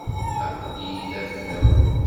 Aql-iyi da fell-awent.